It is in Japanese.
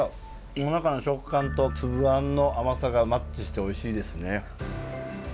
もなかの食感と粒あんの甘さがマッチしておいしいですね。